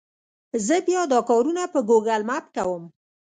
زه بیا دا کارونه په ګوګل مېپ کوم.